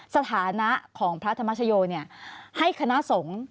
สถานะของพระธรรมชโยให้คณะสงฆ์